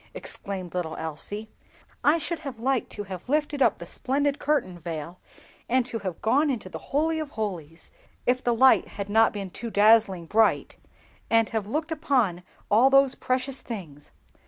exclaimed little Elsie. "I should have liked to have lifted up the splendid curtain veil, and to have gone into the Holy of holies—if the light had not been too dazzling bright—and have looked upon all those precious things!